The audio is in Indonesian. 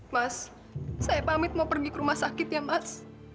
mas saya pamit mau pergi ke rumah sakit ya mas